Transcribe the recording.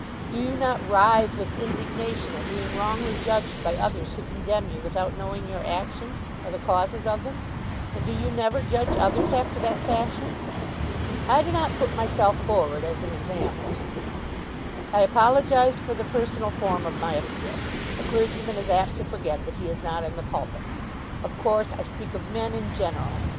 Do you not writhe with indignation at being wrongly judged by others who condemn you without knowing your actions or the causes of them; and do you never judge others after that fashion?" "I do not put myself forward as an example." "I apologise for the personal form of my appeal. A clergyman is apt to forget that he is not in the pulpit. Of course I speak of men in general.